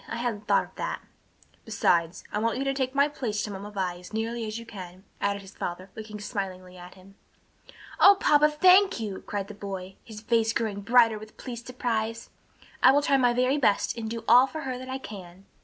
I hadn't thought of that." "Besides, I want you to take my place to Mamma Vi as nearly as you can," added his father, looking smilingly at him. "O papa, thank you!" cried the boy, his face growing bright with pleased surprise. "I will try my very best and do all for her that I can."